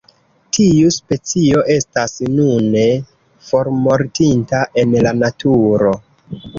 Tiu specio estas nune formortinta en la naturo.